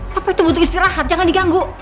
apa itu butuh istirahat jangan diganggu